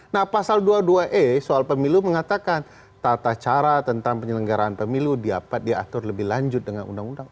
nah pasal dua puluh dua e soal pemilu mengatakan tata cara tentang penyelenggaraan pemilu dapat diatur lebih lanjut dengan undang undang